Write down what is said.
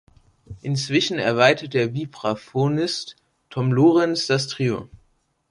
Inzwischen erweitert der Vibraphonist Tom Lorenz das Trio.